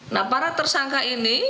nah para tersangka ini